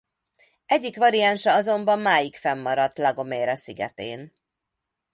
Egyik variánsa azonban máig fennmaradt La Gomera szigetén.